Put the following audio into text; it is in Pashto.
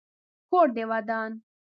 کور دي ودان .